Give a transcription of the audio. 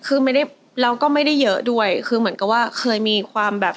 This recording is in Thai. คือไม่ได้แล้วก็ไม่ได้เยอะด้วยคือเหมือนกับว่าเคยมีความแบบ